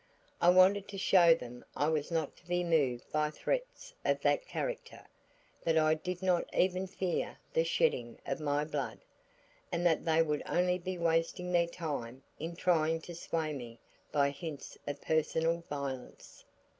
I wanted to show them I was not to be moved by threats of that character; that I did not even fear the shedding of my blood; and that they would only be wasting their time in trying to sway me by hints of personal violence.